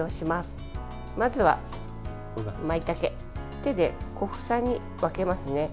手で小房に分けますね。